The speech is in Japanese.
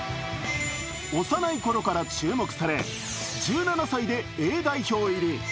幼いころから注目され１７歳でＡ代表入り。